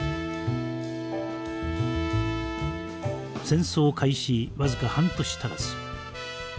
戦争開始僅か半年足らず。